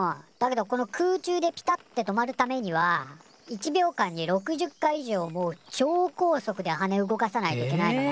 どこの空中でピタって止まるためには１秒間に６０回以上もうちょう高速で羽動かさないといけないのね。